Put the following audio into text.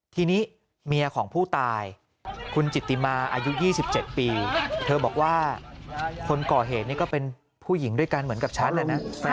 ทีนี้เมียของผู้ตายคุณจิตติมาอายุ๒๗ปีเธอบอกว่าคนก่อเหตุนี่ก็เป็นผู้หญิงด้วยกันเหมือนกับฉันแหละนะ